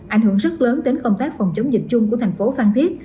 ảnh hưởng rất lớn đến công tác phòng chống dịch chung của thành phố phan thiết